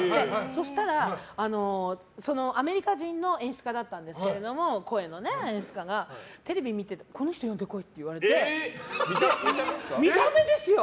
そうしたら、アメリカ人の声の演出家だったんですけどテレビを見てこの人呼んで来い！って言われて見た目ですよ。